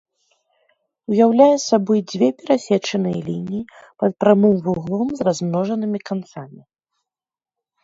Уяўляе сабой дзве перасечаныя лініі пад прамым вуглом з размножанымі канцамі.